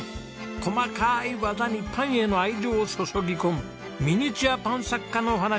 細かい技にパンへの愛情を注ぎ込むミニチュアパン作家のお話です。